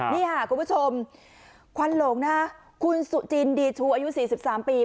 นี่ค่ะคุณผู้ชมควันโหลงนะคุณสุจินดีทูอายุสี่สิบสามปี